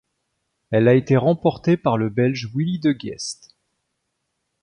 Elle a été remportée par le Belge Willy De Geest.